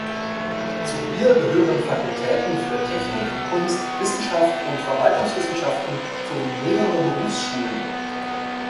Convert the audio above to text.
Zu ihr gehören Fakultäten für Technik, Kunst, Wissenschaft und Verwaltungswissenschaften sowie mehrere Berufsschulen.